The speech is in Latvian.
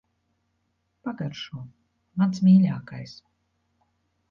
Pagaršo. Mans mīļākais.